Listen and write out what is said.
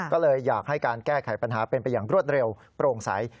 ก็เลยอยากให้การแก้ไขปัญหาเป็นไปอย่างรวดเร็วโปร่งใส